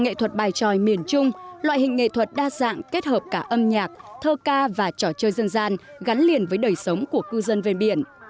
nghệ thuật bài tròi miền trung loại hình nghệ thuật đa dạng kết hợp cả âm nhạc thơ ca và trò chơi dân gian gắn liền với đời sống của cư dân ven biển